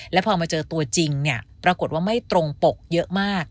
แล้วพอมาเจอตัวจริงปรากฏว่าไม่ตรงปกเยอะมาก